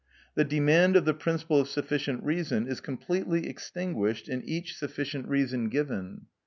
The demand of the principle of sufficient reason is completely extinguished in each sufficient reason given.